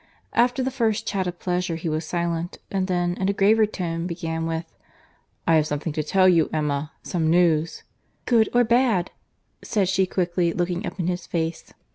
After the first chat of pleasure he was silent; and then, in a graver tone, began with, "I have something to tell you, Emma; some news." "Good or bad?" said she, quickly, looking up in his face.